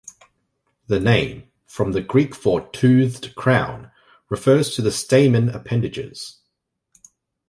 The name, from the Greek for "toothed crown", refers to the stamen appendages.